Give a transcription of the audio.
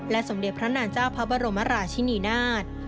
และสมเด็จพระนาจาวพระบรมราชินินาธิ์